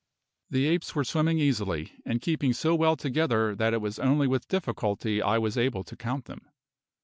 The apes were swimming easily, and keeping so well together that it was only with difficulty I was able to count them.